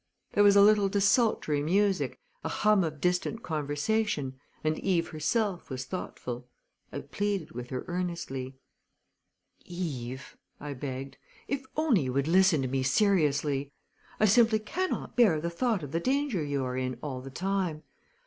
There was a little desultory music, a hum of distant conversation, and Eve herself was thoughtful. I pleaded with her earnestly. "Eve," I begged, "if only you would listen to me seriously! I simply cannot bear the thought of the danger you are in all the time.